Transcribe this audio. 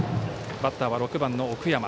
バッターは６番、奥山。